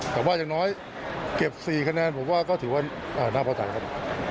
แต่ว่าอย่างน้อยเก็บ๔คะแนนผมว่าก็ถือว่าน่าพอใจครับ